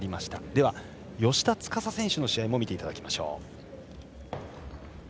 では芳田司選手の試合も見ていただきましょう。